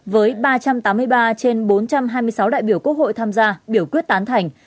với ba trăm tám mươi ba trên bốn trăm hai mươi sáu đại biểu quốc hội tham gia biểu quyết tán thành